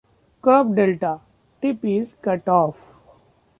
Cropped delta - tip is cut off.